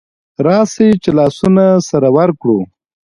راسئ چي لاسونه سره ورکړو